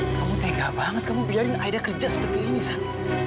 kamu tega banget kamu biarin akhirnya kerja seperti ini sandi